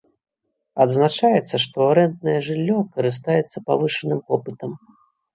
Адзначаецца, што арэнднае жыллё карыстаецца павышаным попытам.